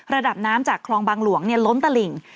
ระดับน้ำจากคลองบางหลวงล้นตลิ่ง